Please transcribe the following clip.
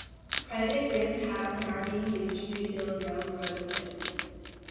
Private grants have and are being used to rebuild railroad equipment.